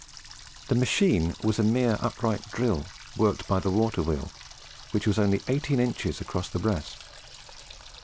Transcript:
The machine was a mere upright drill worked by the water wheel, which was only eighteen inches across the breast.